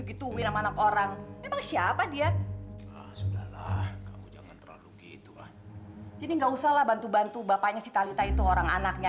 fi orang orang siapa dia haftalah hatha hata bantu bantu bapaknya si tablet itu orang anaknya